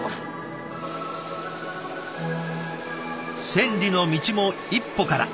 千里の道も一歩から。